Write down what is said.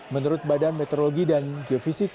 menurut badan meteorologi dan geofisika